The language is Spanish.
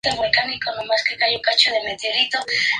Es considerado una de las mayores promesas del heavy metal.